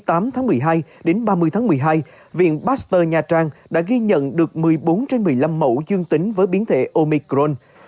và quá trình phân tích từ ngày hai mươi tám tháng một mươi hai đến ba mươi tháng một mươi hai viện pasteur nha trang đã ghi nhận được một mươi bốn trên một mươi năm mẫu dương tính với biến thể omicron